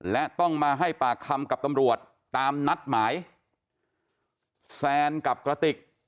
และต้องมาให้ปากคำกับตำรวจตามนัดหมายแซนกับกระติก